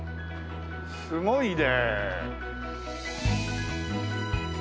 すごいね。